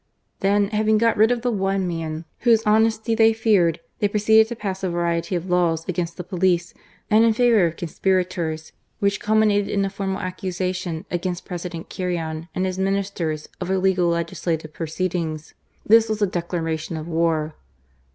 Then, having got rid of the one man whose honesty they feared, they pro ceeded to pass a variety of laws against the police and in favour of conspirators, which culminated in a formal accusation against President Carrion and his Ministers of illegal legislative proceedings. This was a declaration of war.